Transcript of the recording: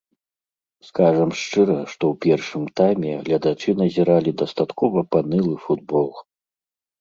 Скажам шчыра, што ў першым тайме гледачы назіралі дастаткова панылы футбол.